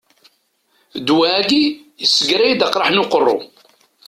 Ddwa-agi yesseggray-d aqraḥ n uqerru.